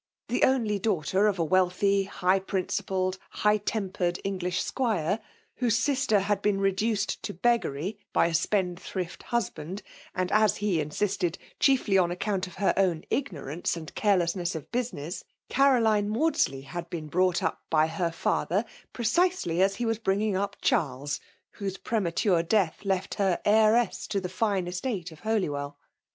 The only daughter of a wealthy, high principled, high tempered English squire, (idiose sister had been reduced to beggary by a spendthrift husband, and, as he insisted, chiefly on account of her own igno rance and carelessness of business) Caroline Maudslcy had been brought up by her father, precisely as he was bringing up Charles, whose premature death left her heiress to the ftie estate of Holywell.